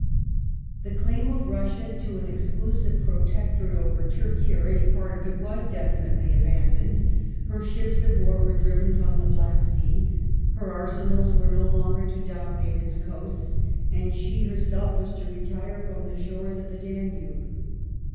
Results of The claim of Russia to an exclusive protectorate over Turkey e war ^^^^^ p^^^ ^^^^^ definitely abandoned ; her ships of war were ^r^ driven from the Black Sea ; her arsenals were no longer to dominate yA its coasts, and she hei'self was to retire from the shores of the Danube.